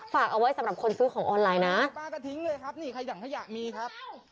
ฝากเอาไว้สำหรับคนซื้อของออนไลน์นะ